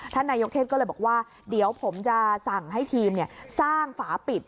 นายกเทศก็เลยบอกว่าเดี๋ยวผมจะสั่งให้ทีมสร้างฝาปิด